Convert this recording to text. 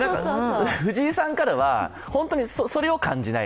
藤井さんからは、本当にそれを感じない。